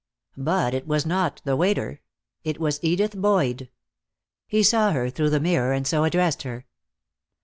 But it was not the waiter. It was Edith Boyd. He saw her through the mirror, and so addressed her.